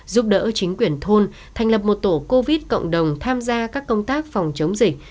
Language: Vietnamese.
giúp đỡ chính quyền thôn thành lập một tổ covid cộng đồng tham gia các công tác phòng chống dịch